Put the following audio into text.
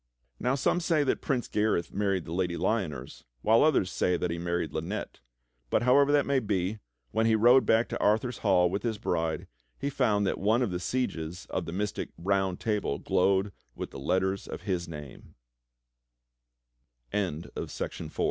Now some say that Prince Gareth married the Lady Lyoners, while others say that he married Lynette, but however that may be, when he rode back to Arthur's hall with his bride, he found that one of the sieges of the mystic Round Table glowed with the letters of his name. GLOSSARY 8 1. Boon, a gift.